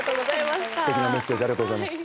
すてきなメッセージありがとうございます。